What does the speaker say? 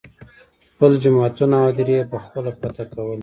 خپل جوماتونه او هدیرې یې په خپله فتحه کولې.